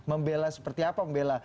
membela seperti apa membela